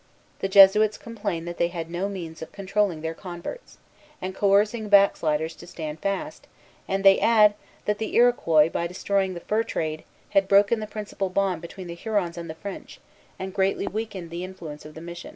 The Jesuits complain that they had no means of controlling their converts, and coercing backsliders to stand fast; and they add, that the Iroquois, by destroying the fur trade, had broken the principal bond between the Hurons and the French, and greatly weakened the influence of the mission.